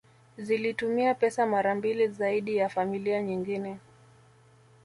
Zilitumia pesa mara mbili zaidi ya familia nyingine